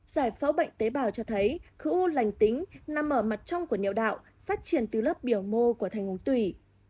giải phẫu bệnh tế bào cho thấy khữ u lành tính nằm ở mặt trong của niệm đạo phát triển từ lớp biểu mô của thành ngũn tủy